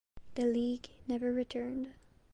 The league never returned.